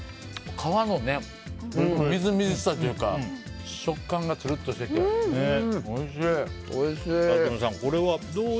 皮のみずみずしさというか食感がつるっとしていておいしい。